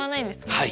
はい。